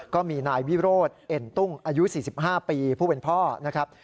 ก็มีนายวิโรธเอ็นตุ้งอายุ๔๕ปีผู้เป็นพ่อนะครับ